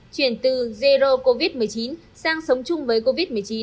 chuyển từ zero covid một mươi chín sang sống chung với covid một mươi chín